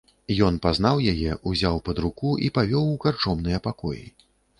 Ён пазнаў яе, узяў пад руку і павёў у карчомныя пакоі.